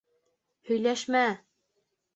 Һөйләшмә!